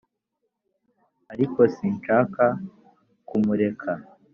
ariko sinshaka kumureka